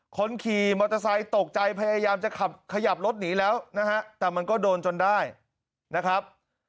คนขี่มอเตอร์ไซค์ตกใจพยายามจะขับขยับรถหนีแล้วนะฮะแต่มันก็โดนจนได้นะครับ